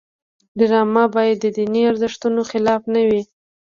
ډرامه باید د دیني ارزښتونو خلاف نه وي